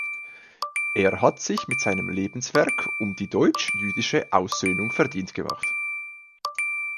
Er hat sich mit seinem Lebenswerk um die deutsch-jüdische Aussöhnung verdient gemacht.